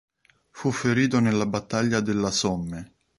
Fu ferito nella battaglia della Somme.